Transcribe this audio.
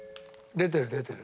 出てる出てる。